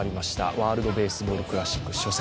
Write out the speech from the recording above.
ワールドベースボールクラシック初戦。